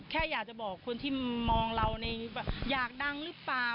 แค่อยากจะบอกคนที่มองเราในอยากดังหรือเปล่า